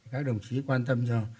các đồng chí quan tâm cho